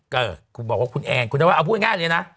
ก็เอ่อกูบอกว่าคุณแอนคุณน้าวัดเอาพูดง่ายเลยนะ